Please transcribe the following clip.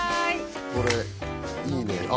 これいいねあ